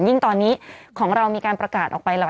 ยิ่งตอนนี้ของเรามีการประกาศออกไปแล้ว